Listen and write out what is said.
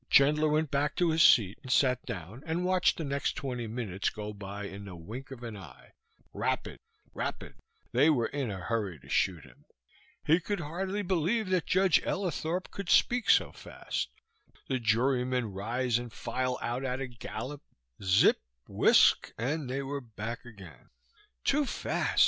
Chandler went back to his seat and sat down and watched the next twenty minutes go by in the wink of an eye, rapid, rapid, they were in a hurry to shoot him. He could hardly believe that Judge Ellithorp could speak so fast, the jurymen rise and file out at a gallop, zip, whisk, and they were back again. Too fast!